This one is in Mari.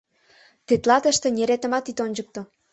Тетла тыште неретымат ит ончыкто!»